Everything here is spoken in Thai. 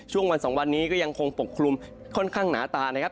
วันสองวันนี้ก็ยังคงปกคลุมค่อนข้างหนาตานะครับ